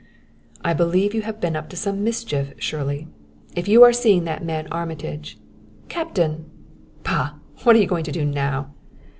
"I believe you have been up to some mischief, Shirley. If you are seeing that man Armitage " "Captain!" "Bah! What are you going to do now?"